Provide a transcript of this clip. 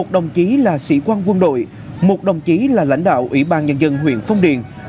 một đồng chí là sĩ quan quân đội một đồng chí là lãnh đạo ủy ban nhân dân huyện phong điền